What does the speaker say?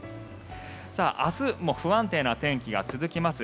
明日も不安定な天気が続きます。